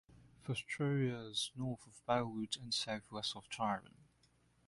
Fostoria is north of Bellwood and southwest of Tyrone.